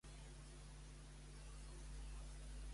Amb quin argument justifica Pompeo la mort de Qassem?